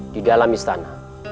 di dalam istana